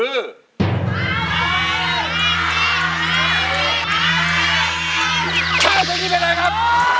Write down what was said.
ข้ามเพลงนี้เป็นอะไรครับ